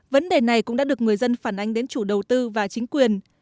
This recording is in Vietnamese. vấn đề này cũng đã được người dân phản ánh đến chủ đầu tư và chính quyền